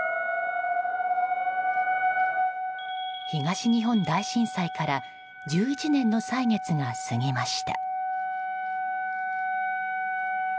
東日本大震災から１１年の歳月が過ぎました。